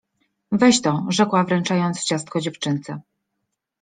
— Weź to — rzekła, wręczając ciastko dziewczynce.